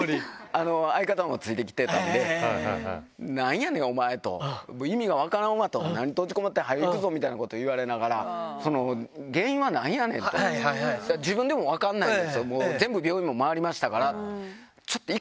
相方もついてきてたんで、なんやねん、お前と。意味が分からんわと、なに閉じこもって、はよ行くぞみたいなこと言われながら、原因はなんやねんと。自分でも分かんないんですよ。